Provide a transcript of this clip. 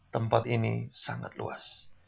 tempat ini sangat luas